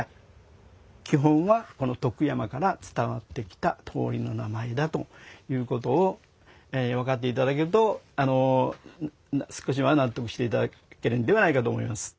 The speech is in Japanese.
基本は徳山から伝わってきた通りの名前だということを分かっていただけると少しは納得していただけるんではないかと思います。